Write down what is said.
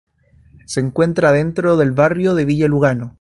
Se encuentra dentro del barrio de Villa Lugano.